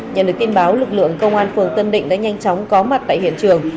nhận được tin báo lực lượng công an phường tân định đã nhanh chóng có mặt tại hiện trường